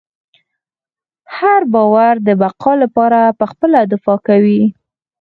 هر باور د بقا لپاره پخپله دفاع کوي.